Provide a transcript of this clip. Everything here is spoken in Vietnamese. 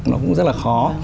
nó cũng rất là khó